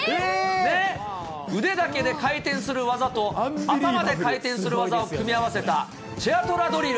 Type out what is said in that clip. ねっ、腕だけで回転する技と頭で回転する技を組み合わせたチェアトラドリル。